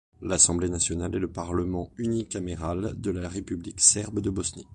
L'Assemblée nationale est le parlement unicaméral de la République serbe de Bosnie.